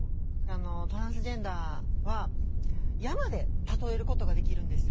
トランスジェンダーは山で例えることができるんですよ。